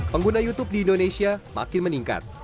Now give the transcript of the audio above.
pengguna youtube di indonesia makin meningkat